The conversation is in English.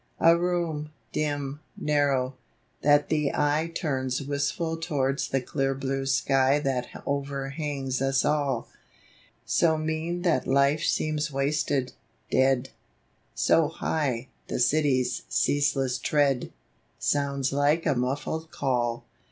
A room, dim, narrow, that the eye Turns wistful towards the clear blue sky That overhangs us all ; So mean that life seems wasted — dead; So high, the city's ceaseless tread Sounds like a muffled call.